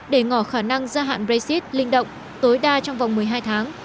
để ngỏ khả năng gia hạn brexit linh động tối đa trong vòng một mươi hai tháng